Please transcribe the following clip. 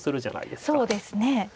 そうですね。